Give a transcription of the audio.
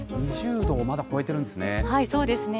２０度をまだ超えてるんですね。